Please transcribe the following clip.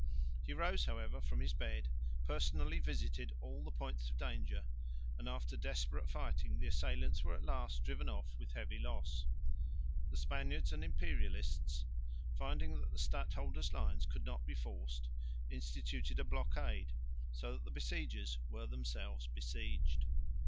He rose, however, from his bed, personally visited all the points of danger, and after desperate fighting the assailants were at last driven off with heavy loss. The Spaniards and Imperialists, finding that the stadholder's lines could not be forced, instituted a blockade, so that the besiegers were themselves besieged.